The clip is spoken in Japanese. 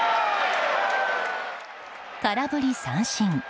空振り三振。